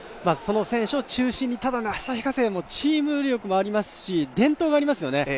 その選手を中心に、ただ旭化成もチーム力もありますし、伝統がありますよね。